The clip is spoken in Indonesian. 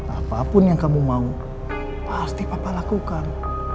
apa pun yang kamu mau pasti papa lakukan